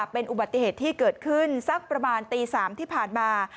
เป็นอุบัติเหตุที่เกิดขึ้นสักประมาณตี๓ที่ผ่านมา